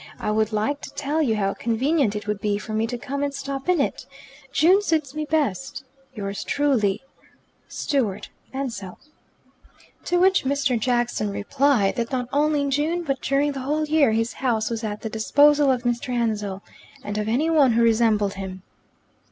I would like to tell you how convenient it would be for me to come and stop in it. June suits me best. "Yours truly, "Stewart Ansell" To which Mr. Jackson replied that not only in June but during the whole year his house was at the disposal of Mr. Ansell and of any one who resembled him.